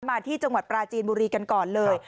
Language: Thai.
มาที่จังหวัดปราจีนบุรีกันก่อนเลย